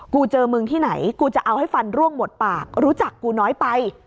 กูเจอมึงที่ไหนกูจะเอาให้ฟันร่วงหมดปากรู้จักกูน้อยไป